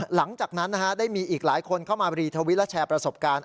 หลังจากนั้นได้มีอีกหลายคนเข้ามารีทวิตและแชร์ประสบการณ์